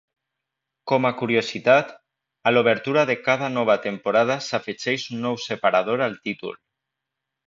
Com a curiositat, a l'obertura de cada nova temporada s'afegeix un nou separador al títol.